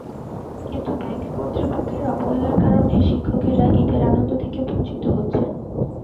কিন্তু ব্যাংক কর্তৃপক্ষের অবহেলার কারণে শিক্ষকেরা ঈদের আনন্দ থেকে বঞ্চিত হচ্ছেন।